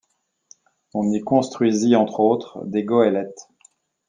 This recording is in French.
On y construisit entre autres des goélettes.